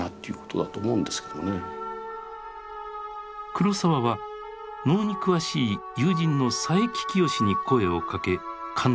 黒澤は能に詳しい友人の佐伯清に声をかけ監督を依頼。